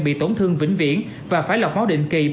bị tổn thương vĩnh viễn và phải lọc máu định kỳ